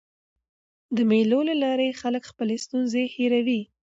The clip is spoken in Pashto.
د مېلو له لاري خلک خپلي ستونزي هېروي.